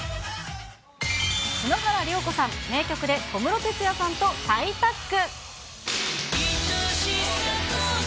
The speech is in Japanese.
篠原涼子さん、名曲で小室哲哉さんと再タッグ。